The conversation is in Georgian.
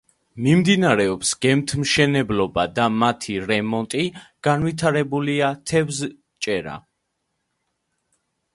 მიმდინარეობს გემთმშენებლობა და მათი რემონტი, განვითარებულია თევზჭერა.